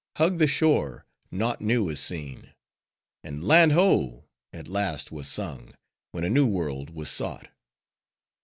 Hug the shore, naught new is seen; and "Land ho!" at last was sung, when a new world was sought.